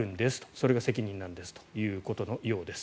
それが責任なんですということです。